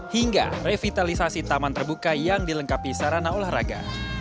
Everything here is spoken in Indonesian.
hingga revitalisasi taman terbuka yang dilengkapi sarana olahraga